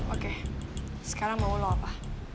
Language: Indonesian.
oke sekarang mau lo apa